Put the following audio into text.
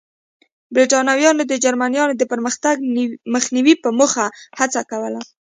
برېټانویانو د جرمنییانو د پرمختګ مخنیوي په موخه هڅه کوله.